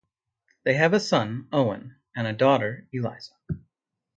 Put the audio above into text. They have a son, Owen, and a daughter, Eliza.